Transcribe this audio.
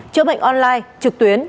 chữa bệnh online trực tuyến